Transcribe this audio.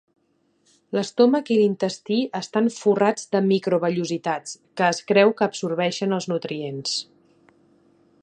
L'estómac i l'intestí estan forrats de microvellositats, que es creu que absorbeixen els nutrients.